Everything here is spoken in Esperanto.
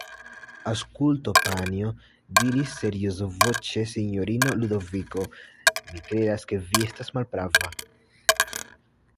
Aŭskultu, panjo, diris seriozvoĉe sinjorino Ludoviko; mi kredas ke vi estas malprava.